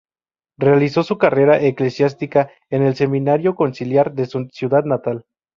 Realizó su carrera eclesiástica en el Seminario conciliar de su ciudad natal.